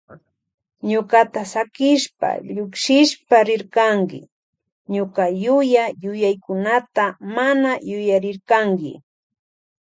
Ñukata sakishpa llukshishpa rirkanki ñuka yuya yuyaykunata mana yuyarirkanki.